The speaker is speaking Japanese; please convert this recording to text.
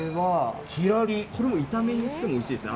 これは炒めにしてもおいしいです。